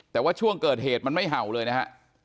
แต่ว่าช่วงเกิดเหตุมันไม่เห่าเลยนะฮะ